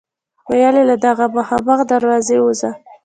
ویل یې له دغه مخامخ دروازه ووځه.